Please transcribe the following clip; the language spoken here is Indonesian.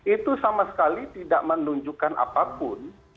itu sama sekali tidak menunjukkan apapun